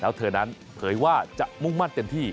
แล้วเธอนั้นเผยว่าจะมุ่งมั่นเต็มที่